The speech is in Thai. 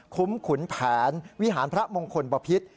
คุ้มขุนแผนวิหารพระมงคลปภิษฐ์